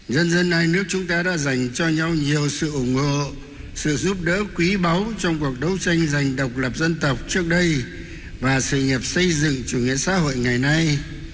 nhân dân hai nước chúng ta đã dành cho nhau nhiều sự ủng hộ sự giúp đỡ quý báu trong cuộc đấu tranh giành độc lập dân tộc trước đây và sự nghiệp xây dựng chủ nghĩa xã hội ngày nay